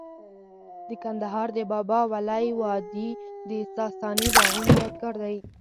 د کندهار د بابا ولی وادي د ساساني باغونو یادګار دی